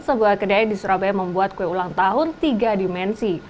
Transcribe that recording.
sebuah kedai di surabaya membuat kue ulang tahun tiga dimensi